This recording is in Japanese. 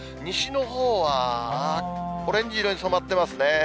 西のほうはオレンジ色に染まってますね。